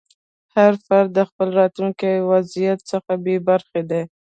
هر فرد د خپل راتلونکي وضعیت څخه بې خبره دی.